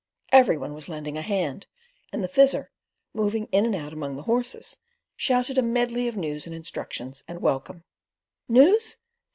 Every one was lending a hand, and the Fizzer, moving in and out among the horses, shouted a medley of news and instructions and welcome. "News?